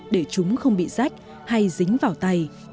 để chúng không bị rách hay dính vào tay